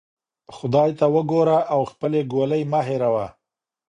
خدای ته وګوره او خپلې ګولۍ مه هیروه.